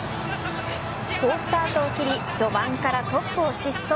好スタートを切り序盤からトップを疾走。